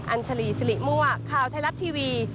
อัญชลีสิริมัวคลาวไทยรับทีวี